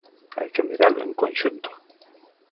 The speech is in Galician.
Hai que miralo no conxunto.